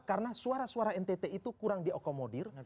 karena suara suara ntt itu kurang diokomodir